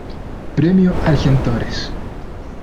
Premio Argentores.